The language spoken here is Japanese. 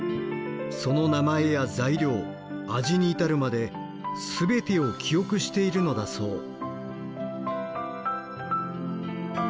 その名前や材料味に至るまで全てを記憶しているのだそう。